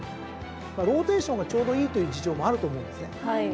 ローテーションがちょうどいいという事情もあると思うんですね。